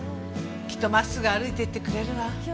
きっとまっすぐ歩いていってくれるわ。